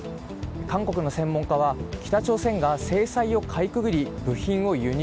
韓国の専門家は、北朝鮮が制裁をかいくぐり部品を輸入。